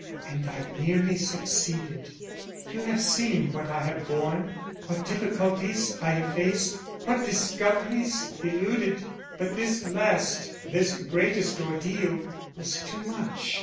And I nearly succeeded. You have seen what I have borne, what difficulties I have faced, what discoveries eluded, but this last, this greatest ordeal, was too much.